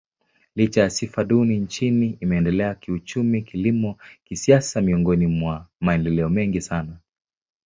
Licha ya sifa duni nchini, imeendelea kiuchumi, kilimo, kisiasa miongoni mwa maendeleo mengi sana.